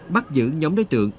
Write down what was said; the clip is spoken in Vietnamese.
bắt giữ nhóm đối tượng